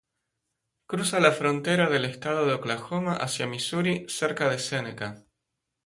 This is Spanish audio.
Cruza la frontera del estado de Oklahoma hacia Missouri cerca de Seneca.